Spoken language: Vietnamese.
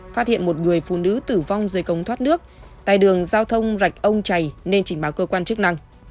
phát hiện một người phụ nữ tử vong dưới công thoát nước tại đường giao thông rạch ông chày nên chỉnh báo cơ quan chức năng